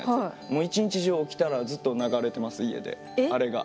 もう一日中起きたらずっと流れてます家であれが。